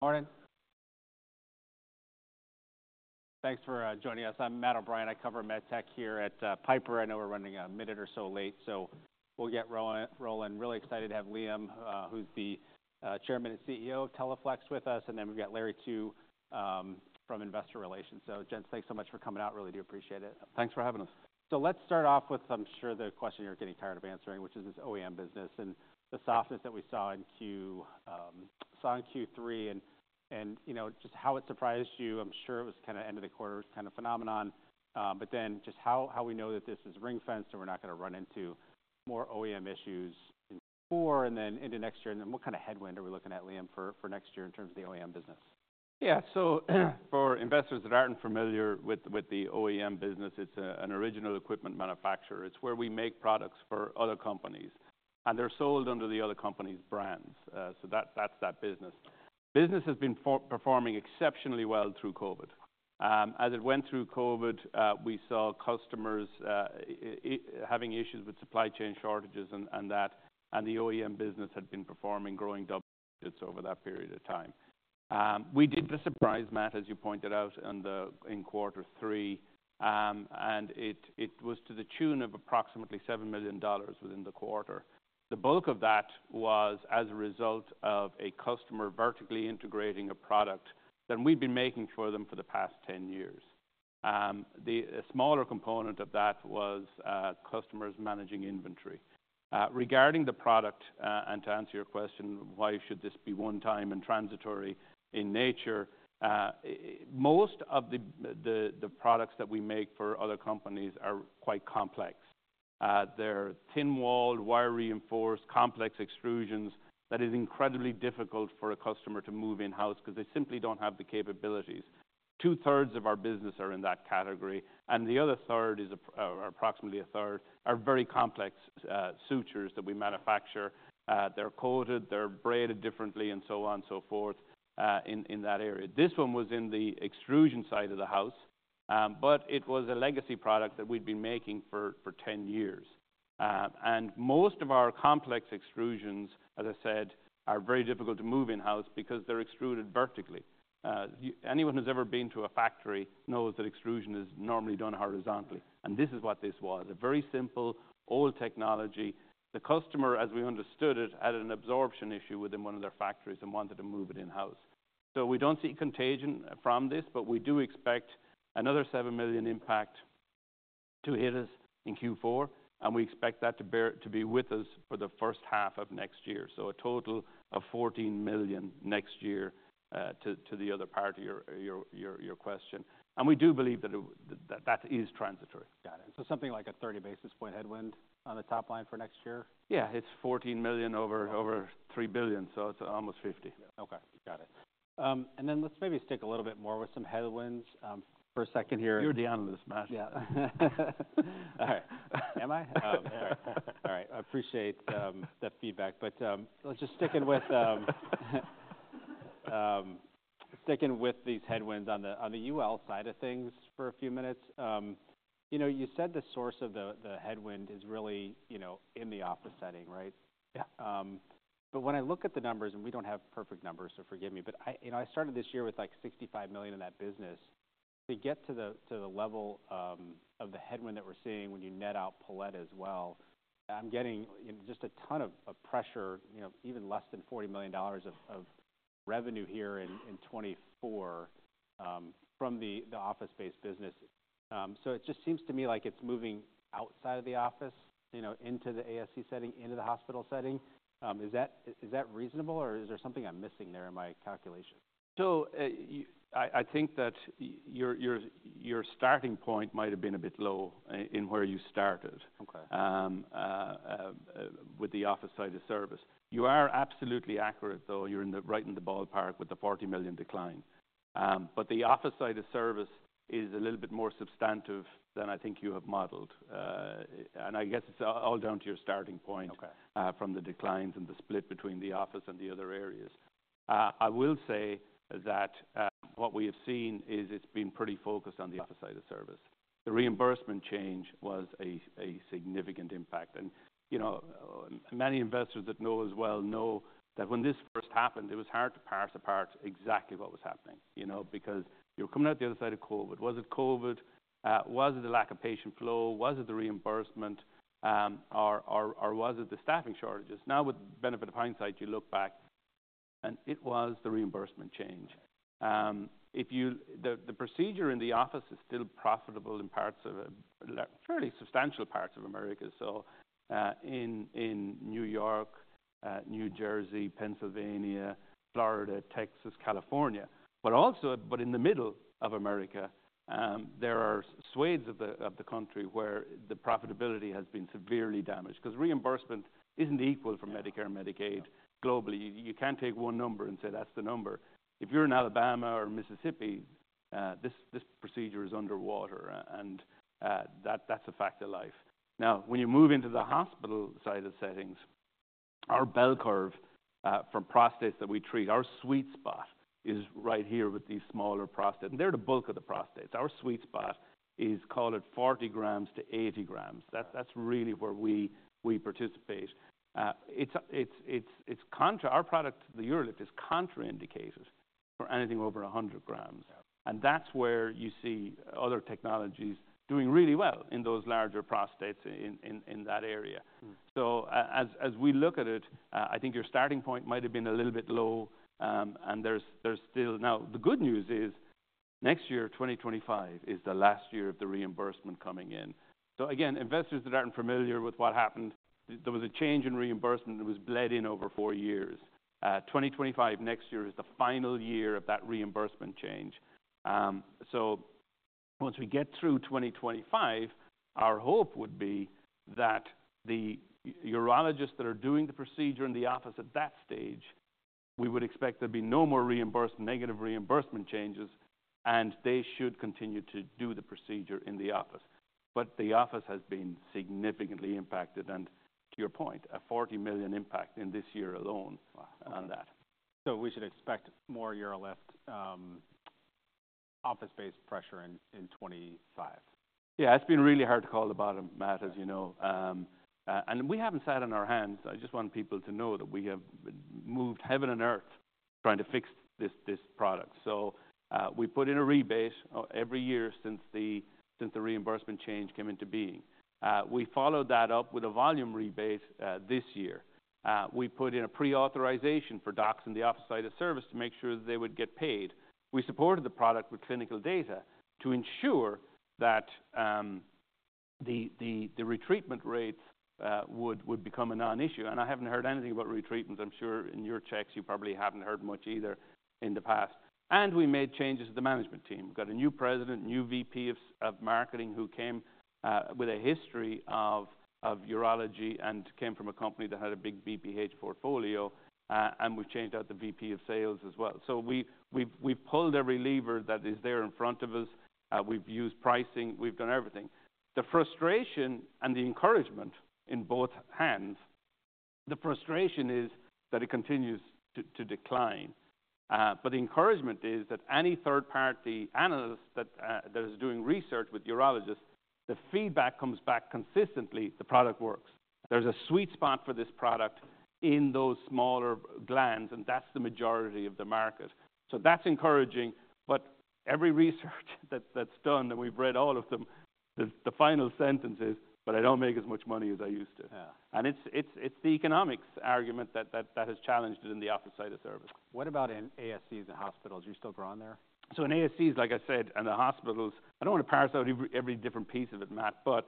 Morning. Thanks for joining us. I'm Matt O'Brien. I cover MedTech here at Piper. I know we're running a minute or so late, so we'll get rolling. Really excited to have Liam, who's the Chairman and CEO of Teleflex with us. And then we've got Larry Chu, from Investor Relations. So, gents, thanks so much for coming out. Really do appreciate it. Thanks for having us. So let's start off with, I'm sure the question you're getting tired of answering, which is this OEM business and the softness that we saw in Q3 and, you know, just how it surprised you. I'm sure it was kinda end of the quarter kinda phenomenon, but then just how we know that this is ring-fenced and we're not gonna run into more OEM issues in Q4 and then into next year, and then what kinda headwind are we looking at, Liam, for next year in terms of the OEM business? Yeah. So for investors that aren't familiar with the OEM business, it's an original equipment manufacturer. It's where we make products for other companies, and they're sold under the other company's brands. That's that business. The business has been performing exceptionally well through COVID. As it went through COVID, we saw customers having issues with supply chain shortages and the OEM business had been performing, growing double digits over that period of time. We did the surprise, Matt, as you pointed out, in quarter three. It was to the tune of approximately $7 million within the quarter. The bulk of that was as a result of a customer vertically integrating a product that we've been making for them for the past 10 years. The smaller component of that was customers managing inventory. Regarding the product, and to answer your question, why should this be one-time and transitory in nature? Most of the products that we make for other companies are quite complex. They're thin-walled, wire-reinforced, complex extrusions. That is incredibly difficult for a customer to move in-house 'cause they simply don't have the capabilities. Two-thirds of our business are in that category, and approximately a third are very complex, sutures that we manufacture. They're coated, they're braided differently, and so on, so forth, in that area. This one was in the extrusion side of the house, but it was a legacy product that we'd been making for 10 years. Most of our complex extrusions, as I said, are very difficult to move in-house because they're extruded vertically. By anyone who's ever been to a factory knows that extrusion is normally done horizontally, and this is what this was: a very simple, old technology. The customer, as we understood it, had an absorption issue within one of their factories and wanted to move it in-house. So we don't see contagion, from this, but we do expect another $7 million impact to hit us in Q4, and we expect that to be with us for the first half of next year. So a total of $14 million next year, to the other part of your question. And we do believe that it is transitory. Got it. So something like a 30 basis point headwind on the top line for next year? Yeah. It's $14 million over $3 billion, so it's almost 50. Okay. Got it. And then let's maybe stick a little bit more with some headwinds for a second here. You're the analyst, Matt. Yeah. All right. Am I? Oh, man. All right. I appreciate that feedback. But, let's just stick with these headwinds on the UL side of things for a few minutes. You know, you said the source of the headwind is really, you know, in the office setting, right? Yeah. But when I look at the numbers, and we don't have perfect numbers, so forgive me, but I, you know, I started this year with like $65 million in that business. To get to the level of the headwind that we're seeing when you net out Palette as well, I'm getting, you know, just a ton of pressure, you know, even less than $40 million of revenue here in 2024, from the office-based business. So it just seems to me like it's moving outside of the office, you know, into the ASC setting, into the hospital setting. Is that reasonable, or is there something I'm missing there in my calculation? I think that your starting point might have been a bit low, in where you started. Okay. With the office site of service. You are absolutely accurate, though. You're in the right in the ballpark with the $40 million decline. But the office site of service is a little bit more substantive than I think you have modeled. And I guess it's all down to your starting point. Okay. from the declines and the split between the office and the other areas. I will say that, what we have seen is it's been pretty focused on the office site of service. The reimbursement change was a significant impact. And, you know, many investors that know us well know that when this first happened, it was hard to parse apart exactly what was happening, you know, because you're coming out the other side of COVID. Was it COVID? Was it the lack of patient flow? Was it the reimbursement? or was it the staffing shortages? Now, with the benefit of hindsight, you look back, and it was the reimbursement change. If you look at the procedure in the office, it's still profitable in parts of the country, like fairly substantial parts of America. In New York, New Jersey, Pennsylvania, Florida, Texas, California, but also in the middle of America, there are swaths of the country where the profitability has been severely damaged 'cause reimbursement isn't equal for Medicare and Medicaid globally. You can't take one number and say that's the number. If you're in Alabama or Mississippi, this procedure is underwater, and that's a fact of life. Now, when you move into the hospital site of settings, our bell curve from prostates that we treat, our sweet spot is right here with these smaller prostates, and they're the bulk of the prostates. Our sweet spot is, call it 40 grams to 80 grams. Okay. That's really where we participate. It's contra our product, the UroLift, is contraindicated for anything over 100 grams. Yeah. And that's where you see other technologies doing really well in those larger prostates in that area. So, as we look at it, I think your starting point might have been a little bit low, and there's still now the good news is next year, 2025, is the last year of the reimbursement coming in. So again, investors that aren't familiar with what happened, there was a change in reimbursement that was bled in over four years. 2025, next year, is the final year of that reimbursement change. So once we get through 2025, our hope would be that the urologists that are doing the procedure in the office at that stage, we would expect there'd be no more reimbursed negative reimbursement changes, and they should continue to do the procedure in the office. But the office has been significantly impacted, and to your point, a $40 million impact in this year alone. Wow. On that. So we should expect more UroLift, office-based pressure in 2025? Yeah. It's been really hard to call the bottom, Matt, as you know. And we haven't sat on our hands. I just want people to know that we have moved heaven and earth trying to fix this product. So, we put in a rebate every year since the reimbursement change came into being. We followed that up with a volume rebate this year. We put in a pre-authorization for docs in the office site of service to make sure that they would get paid. We supported the product with clinical data to ensure that the retreatment rates would become a non-issue. And I haven't heard anything about retreatments. I'm sure in your checks, you probably haven't heard much either in the past. And we made changes to the management team. We got a new president, new VP of sales and marketing who came with a history of urology and came from a company that had a big BPH portfolio. We've changed out the VP of sales as well. So we've pulled every lever that is there in front of us. We've used pricing. We've done everything. The frustration and the encouragement in both hands, the frustration is that it continues to decline. But the encouragement is that any third-party analyst that is doing research with urologists, the feedback comes back consistently: the product works. There's a sweet spot for this product in those smaller glands, and that's the majority of the market. So that's encouraging. But every research that's done, and we've read all of them, the final sentence is, "But I don't make as much money as I used to. Yeah. It's the economics argument that has challenged it in the office site of service. What about in ASCs and hospitals? You still growing there? So in ASCs, like I said, and the hospitals, I don't wanna parse out every different piece of it, Matt, but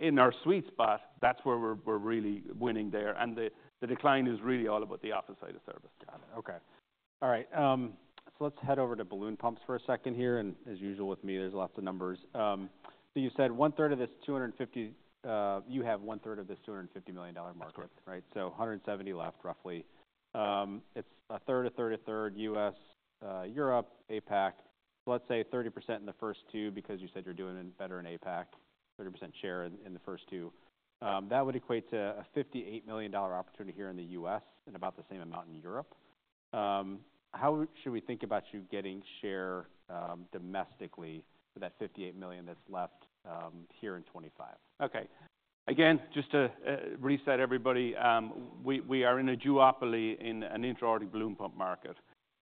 in our sweet spot, that's where we're, we're really winning there. And the decline is really all about the office site of service. Got it. Okay. All right, so let's head over to balloon pumps for a second here. And as usual with me, there's lots of numbers, so you said one-third of this 250, you have 1/3 of this $250 million market, right? Correct. 170 left, roughly. It's a third, a third, a third: U.S., Europe, APAC. So let's say 30% in the first two because you said you're doing it better in APAC, 30% share in the first two. That would equate to a $58 million opportunity here in the U.S. and about the same amount in Europe. How should we think about you getting share domestically for that $58 million that's left here in 2025? Okay. Again, just to reset everybody, we are in a duopoly in an intra-aortic balloon pump market.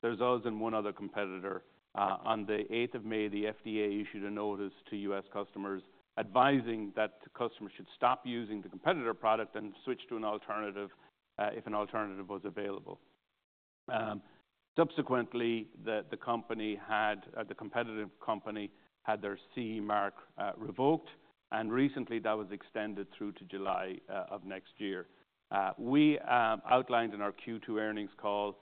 There's us and one other competitor. On the 8th of May, the FDA issued a notice to U.S. customers advising that customers should stop using the competitor product and switch to an alternative, if an alternative was available. Subsequently, the competitive company had their CE mark revoked, and recently, that was extended through to July of next year. We outlined in our Q2 earnings call,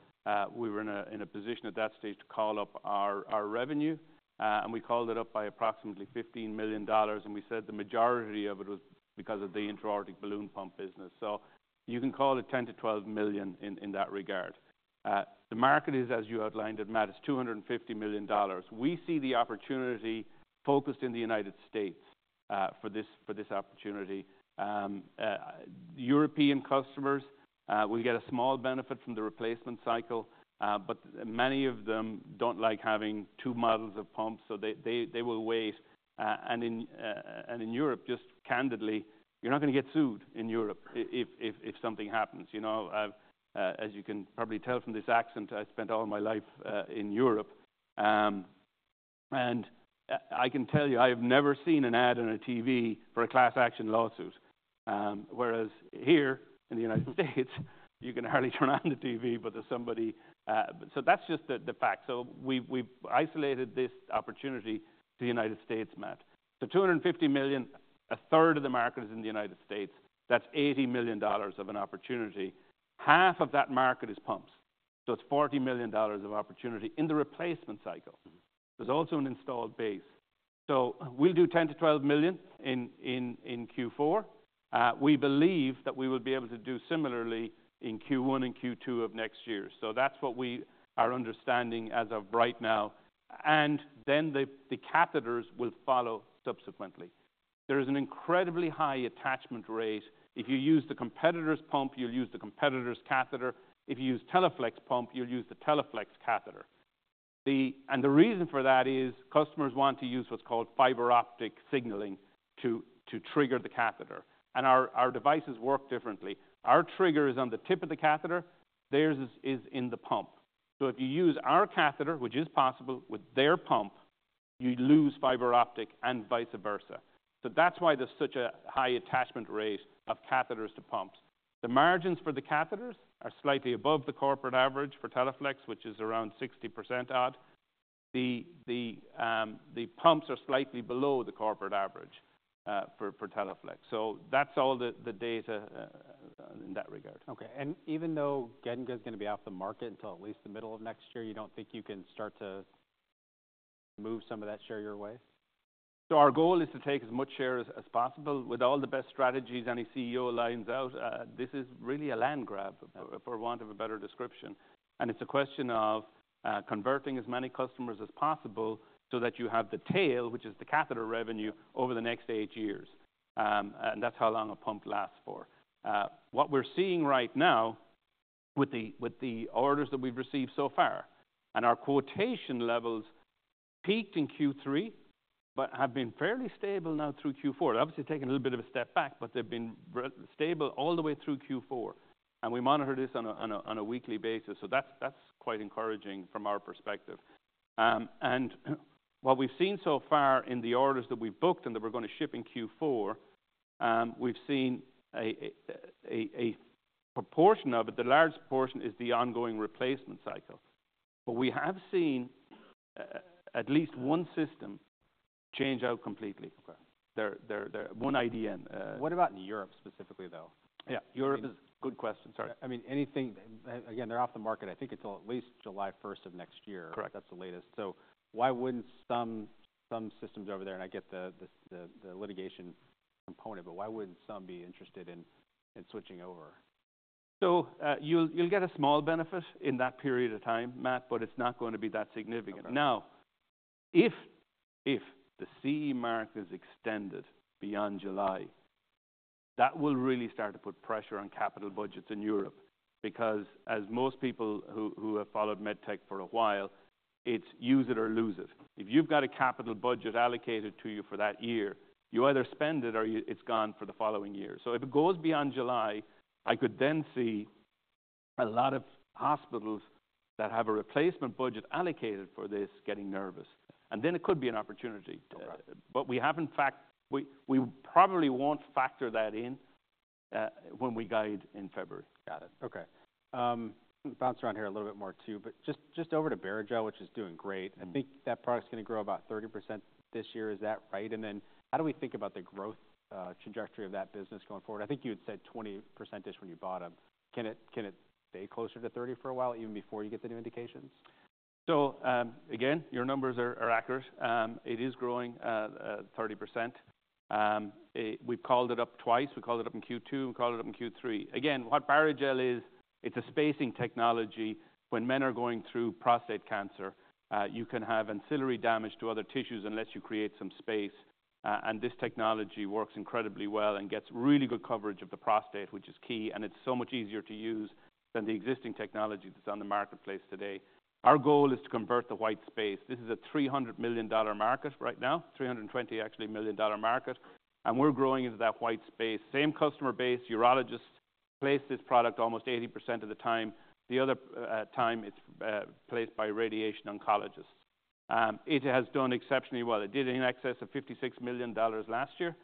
we were in a position at that stage to call up our revenue. And we called it up by approximately $15 million, and we said the majority of it was because of the intra-aortic balloon pump business. So you can call it $10 million-$12 million in that regard. The market, as you outlined it, Matt, is $250 million. We see the opportunity focused in the United States, for this, for this opportunity. European customers will get a small benefit from the replacement cycle, but many of them don't like having two models of pumps, so they will wait. And in Europe, just candidly, you're not gonna get sued in Europe if something happens, you know? As you can probably tell from this accent, I spent all my life in Europe. And I can tell you, I have never seen an ad on a TV for a class action lawsuit. Whereas here in the United States, you can hardly turn on the TV, but there's somebody, so that's just the fact. So we've isolated this opportunity to the United States, Matt. So $250 million, 1/3 of the market is in the United States. That's $80 million of an opportunity. Half of that market is pumps, so it's $40 million of opportunity in the replacement cycle. Mm-hmm. There's also an installed base. So we'll do $10 million-$12 million in Q4. We believe that we will be able to do similarly in Q1 and Q2 of next year. So that's what we are understanding as of right now. And then the catheters will follow subsequently. There is an incredibly high attachment rate. If you use the competitor's pump, you'll use the competitor's catheter. If you use Teleflex pump, you'll use the Teleflex catheter. And the reason for that is customers want to use what's called fiber optic signaling to trigger the catheter. And our devices work differently. Our trigger is on the tip of the catheter. Theirs is in the pump. So if you use our catheter, which is possible with their pump, you lose fiber optic and vice versa. So that's why there's such a high attachment rate of catheters to pumps. The margins for the catheters are slightly above the corporate average for Teleflex, which is around 60% odd. The pumps are slightly below the corporate average for Teleflex. So that's all the data in that regard. Okay. And even though Getinge's gonna be off the market until at least the middle of next year, you don't think you can start to move some of that share your way? So, our goal is to take as much share as possible. With all the best strategies any CEO lays out, this is really a land grab for want of a better description. It's a question of converting as many customers as possible so that you have the tail, which is the catheter revenue, over the next eight years, and that's how long a pump lasts for. What we're seeing right now with the orders that we've received so far and our quotation levels peaked in Q3 but have been fairly stable now through Q4. They've obviously taken a little bit of a step back, but they've been relatively stable all the way through Q4. And we monitor this on a weekly basis. So that's quite encouraging from our perspective. And what we've seen so far in the orders that we've booked and that we're gonna ship in Q4, we've seen a proportion of it, the largest portion, is the ongoing replacement cycle. But we have seen, at least one system change out completely. Okay. They're one IDN. What about in Europe specifically, though? Yeah. Europe is good question. Sorry. I mean, anything again, they're off the market, I think, until at least July 1st of next year. Correct. That's the latest. So why wouldn't some systems over there and I get the litigation component, but why wouldn't some be interested in switching over? You'll get a small benefit in that period of time, Matt, but it's not gonna be that significant. Okay. Now, if the CE mark is extended beyond July, that will really start to put pressure on capital budgets in Europe because, as most people who have followed MedTech for a while, it's use it or lose it. If you've got a capital budget allocated to you for that year, you either spend it or it's gone for the following year. So if it goes beyond July, I could then see a lot of hospitals that have a replacement budget allocated for this getting nervous. And then it could be an opportunity. Okay. But we probably won't factor that in, when we guide in February. Got it. Okay, bounce around here a little bit more too, but just over to Barrigel, which is doing great. Mm-hmm. I think that product's gonna grow about 30% this year. Is that right, and then how do we think about the growth, trajectory of that business going forward? I think you had said 20%-ish when you bought them. Can it stay closer to 30% for a while even before you get the new indications? So, again, your numbers are accurate. It is growing 30%. We've called it up twice. We called it up in Q2. We called it up in Q3. Again, what Barrigel is, it's a spacing technology. When men are going through prostate cancer, you can have ancillary damage to other tissues unless you create some space. This technology works incredibly well and gets really good coverage of the prostate, which is key. It's so much easier to use than the existing technology that's on the marketplace today. Our goal is to convert the white space. This is a $300 million market right now, $320 million market, actually. We're growing into that white space. Same customer base, urologists place this product almost 80% of the time. The other time, it's placed by radiation oncologists. It has done exceptionally well. It did in excess of $56 million last year.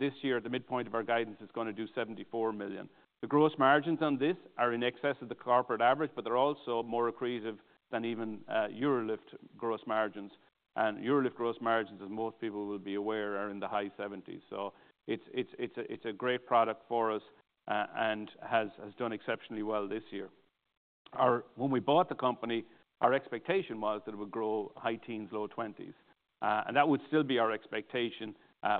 This year, at the midpoint of our guidance, it's gonna do $74 million. The gross margins on this are in excess of the corporate average, but they're also more accretive than even UroLift gross margins. UroLift gross margins, as most people will be aware, are in the high 70s%. So it's a great product for us, and has done exceptionally well this year. When we bought the company, our expectation was that it would grow high teens-low 20s. That would still be our expectation,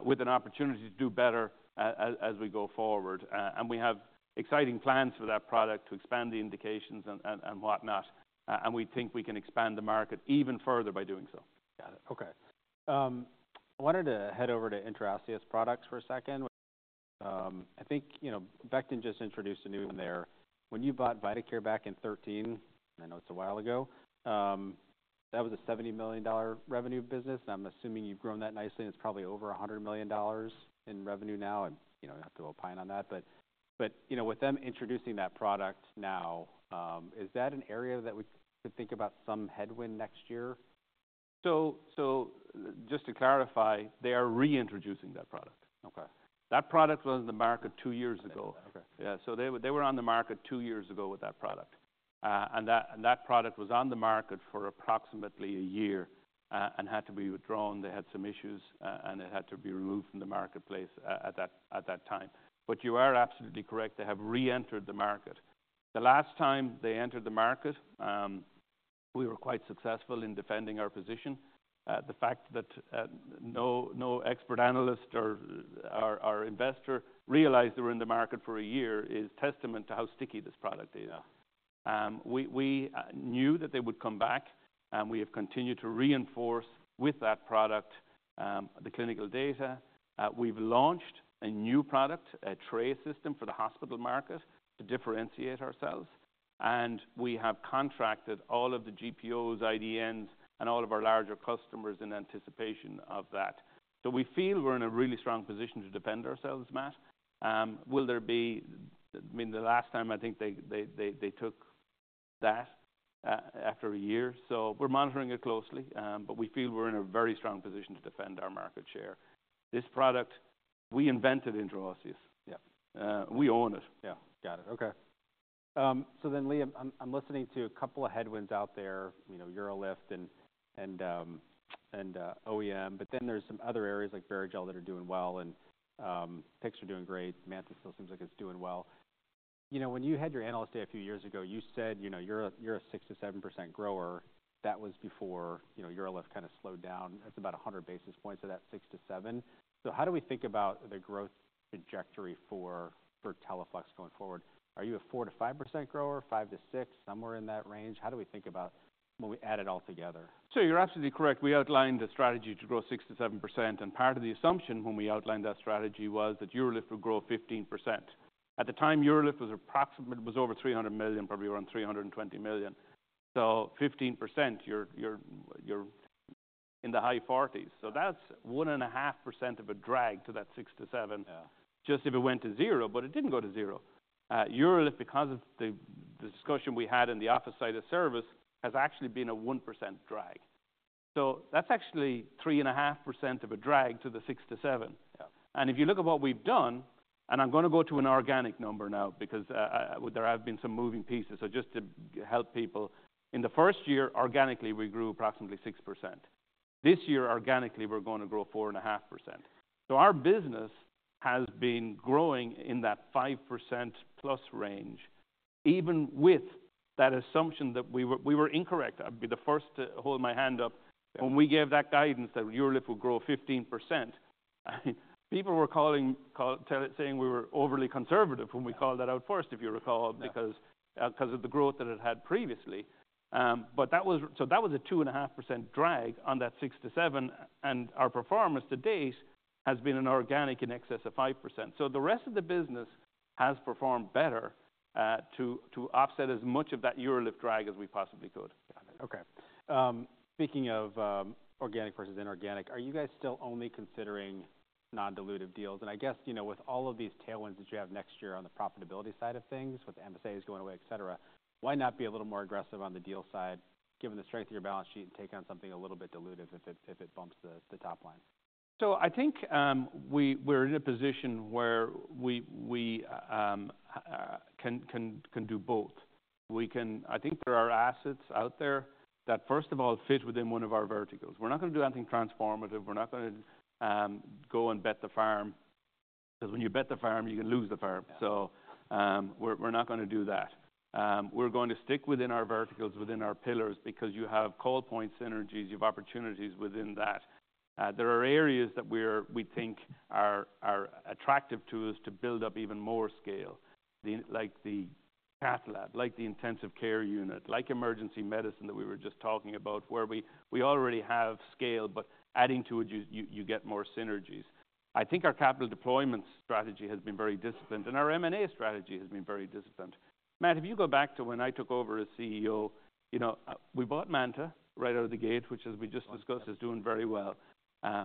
with an opportunity to do better, as we go forward. We have exciting plans for that product to expand the indications and whatnot. We think we can expand the market even further by doing so. Got it. Okay. I wanted to head over to intraosseous products for a second. I think, you know, Becton just introduced a new there. When you bought Vidacare back in 2013, I know it's a while ago, that was a $70 million revenue business. I'm assuming you've grown that nicely, and it's probably over $100 million in revenue now. I, you know, have to opine on that. But, you know, with them introducing that product now, is that an area that we could think about some headwind next year? So, just to clarify, they are reintroducing that product. Okay. That product was in the market two years ago. Okay. Yeah. So they were on the market two years ago with that product. And that product was on the market for approximately a year, and had to be withdrawn. They had some issues, and it had to be removed from the marketplace at that time. But you are absolutely correct. They have reentered the market. The last time they entered the market, we were quite successful in defending our position. The fact that no expert analyst or investor realized they were in the market for a year is testament to how sticky this product is. Yeah. We knew that they would come back, and we have continued to reinforce with that product the clinical data. We've launched a new product, a tray system for the hospital market to differentiate ourselves. We have contracted all of the GPOs, IDNs, and all of our larger customers in anticipation of that. We feel we're in a really strong position to defend ourselves, Matt. Will there be? I mean, the last time, I think they took that after a year. We're monitoring it closely. We feel we're in a very strong position to defend our market share. This product, we invented intraosseous. Yeah. We own it. Yeah. Got it. Okay. So then, Liam, I'm listening to a couple of headwinds out there, you know, UroLift and OEM, but then there's some other areas like Barrigel that are doing well, and PICCs are doing great. Matt, this still seems like it's doing well. You know, when you had your analyst day a few years ago, you said, you know, you're a 6%-7% grower. That was before, you know, UroLift kinda slowed down. It's about 100 basis points of that 6%-7%. So how do we think about the growth trajectory for Teleflex going forward? Are you a 4%-5% grower, 5%-6%, somewhere in that range? How do we think about when we add it all together? You are absolutely correct. We outlined the strategy to grow 6%-7%. And part of the assumption when we outlined that strategy was that UroLift would grow 15%. At the time, UroLift was approximately over $300 million, probably around $320 million. So 15%, you are in the high 40s. So that is 1.5% of a drag to that 6%-7%. Yeah. Just if it went to 0, but it didn't go to 0. UroLift, because of the discussion we had in the office site of service, has actually been a 1% drag. So that's actually 3.5% of a drag to the 6%-7%. Yeah. And if you look at what we've done, and I'm gonna go to an organic number now because there have been some moving pieces. So just to help people, in the first year, organically, we grew approximately 6%. This year, organically, we're gonna grow 4.5%. So our business has been growing in that 5% plus range even with that assumption that we were, we were incorrect. I'd be the first to hold my hand up when we gave that guidance that UroLift would grow 15%. I mean, people were calling analysts saying we were overly conservative when we called that out first, if you recall, because. Yeah. Because of the growth that it had previously. But that was so that was a 2.5% drag on that 6%-7%. And our performance to date has been an organic in excess of 5%. So the rest of the business has performed better, to offset as much of that UroLift drag as we possibly could. Got it. Okay. Speaking of organic versus inorganic, are you guys still only considering non-dilutive deals? And I guess, you know, with all of these tailwinds that you have next year on the profitability side of things with MSAs going away, etc., why not be a little more aggressive on the deal side given the strength of your balance sheet and take on something a little bit dilutive if it bumps the top line? So I think we're in a position where we can do both. We can, I think, put our assets out there that, first of all, fit within one of our verticals. We're not gonna do anything transformative. We're not gonna go and bet the farm 'cause when you bet the farm, you can lose the farm. Yeah. We're not gonna do that. We're going to stick within our verticals, within our pillars, because you have call point synergies. You have opportunities within that. There are areas that we think are attractive to us to build up even more scale. The, like, the cath lab, like the intensive care unit, like emergency medicine that we were just talking about, where we already have scale, but adding to it, you get more synergies. I think our capital deployment strategy has been very disciplined, and our M&A strategy has been very disciplined. Matt, if you go back to when I took over as CEO, you know, we bought Manta right out of the gate, which, as we just discussed, is doing very well.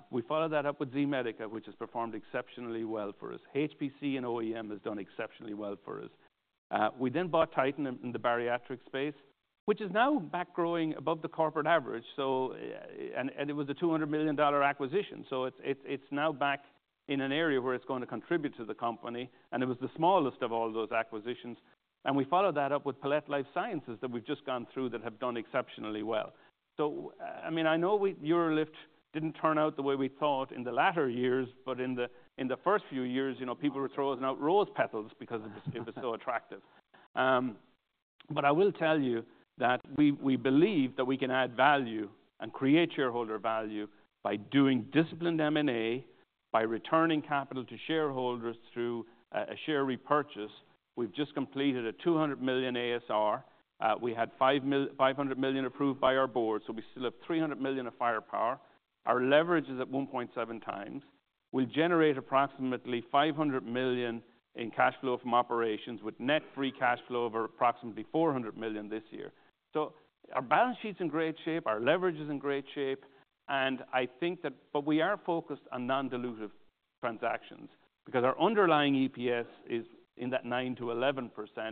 We followed that up with Z-Medica, which has performed exceptionally well for us. HPC and OEM has done exceptionally well for us. We then bought Titan in the bariatric space, which is now back growing above the corporate average. So, it was a $200 million acquisition. So it's now back in an area where it's gonna contribute to the company. And it was the smallest of all those acquisitions. And we followed that up with Palette Life Sciences that we've just gone through that have done exceptionally well. So, I mean, I know we UroLift didn't turn out the way we thought in the latter years, but in the first few years, you know, people were throwing out rose petals because it was so attractive. But I will tell you that we believe that we can add value and create shareholder value by doing disciplined M&A, by returning capital to shareholders through a share repurchase. We've just completed a $200 million ASR. We had $550 million approved by our board. So we still have $300 million of firepower. Our leverage is at 1.7 times. We'll generate approximately $500 million in cash flow from operations with net free cash flow of approximately $400 million this year. So our balance sheet's in great shape. Our leverage is in great shape. And I think that, but we are focused on non-dilutive transactions because our underlying EPS is in that 9%-11%. Yeah.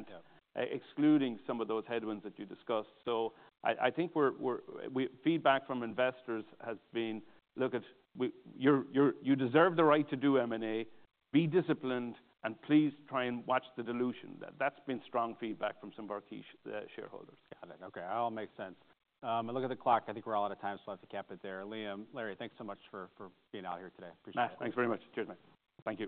excluding some of those headwinds that you discussed. So I think the feedback from investors has been, "Look, you deserve the right to do M&A. Be disciplined, and please try and watch the dilution." That's been strong feedback from some of our key shareholders. Got it. Okay. All makes sense. I look at the clock. I think we're out of time, so I have to cap it there. Liam, Larry, thanks so much for being out here today. Appreciate it. Matt, thanks very much. Cheers, Matt. Thank you.